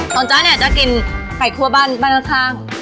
ส่วนจ๊ะเนี่ยจะกินไก่คั่วบ้านข้าง